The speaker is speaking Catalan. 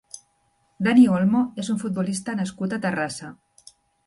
Dani Olmo és un futbolista nascut a Terrassa.